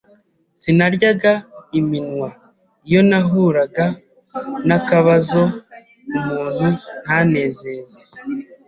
Sinaryaga iminwa iyo nahuraga n’akababzo umuntu ntanezeze,